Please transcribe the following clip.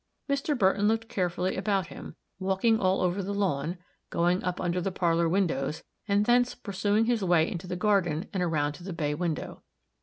Mr. Burton looked carefully about him, walking all over the lawn, going up under the parlor windows, and thence pursuing his way into the garden and around to the bay window.